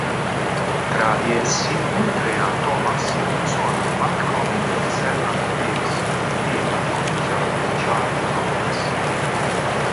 Tra di essi, oltre a Thomas, vi sono Malcolm Cellan-Davies e l'alcolizzato Charlie Norris.